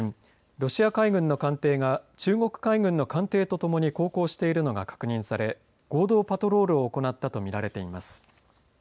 ロシア海軍の艦艇が中国海軍の艦艇とともに航行しているのが確認され合同パトロールを行ったと見られています。